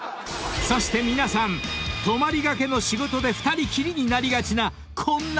［そして皆さん泊まりがけの仕事で２人きりになりがちなこんな場面も苦手だそうで］